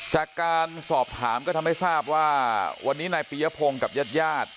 จากการสอบถามก็ทำให้ทราบว่าวันนี้นายปียพงศ์กับญาติญาติ